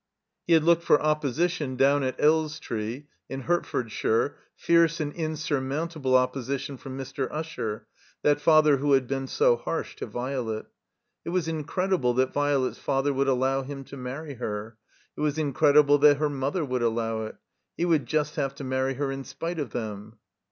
He had looked for opposition down at Elstree, in Hertfordshire, fierce and insurmotmtable opposition from Mr. Usher, that father who had been so harsh to Violet. It was incredible that Violet's father would allow him to marry her; it was incredible that her mother would allow it. He would just have to marry her in spite of them.